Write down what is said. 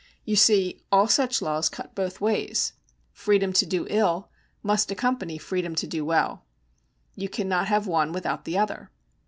You see, all such laws cut both ways. Freedom to do ill must accompany freedom to do well. You cannot have one without the other.